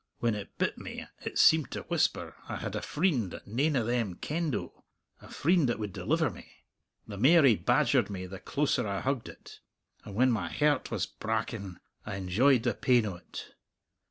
When it bit me it seemed to whisper I had a freend that nane o' them kenned o' a freend that would deliver me! The mair he badgered me, the closer I hugged it; and when my he'rt was br'akin I enjoyed the pain o't."